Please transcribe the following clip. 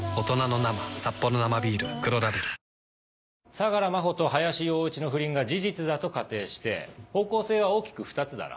相良真帆と林洋一の不倫が事実だと仮定して方向性は大きく２つだな。